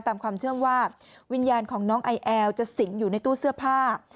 ตามความเชื่อว่าวิญญาณของน้องไอแอลจะสิงอยู่ในตู้เสื้อผ้า